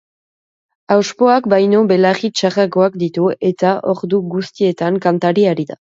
Hauspoak baino belarri txarragoak ditu eta ordu guztietan kantari ari da.